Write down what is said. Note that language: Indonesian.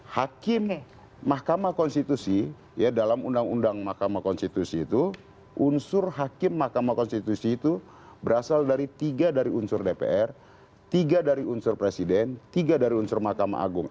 hakim mahkamah konstitusi dalam undang undang mahkamah konstitusi itu unsur hakim mahkamah konstitusi itu berasal dari tiga dari unsur dpr tiga dari unsur presiden tiga dari unsur mahkamah agung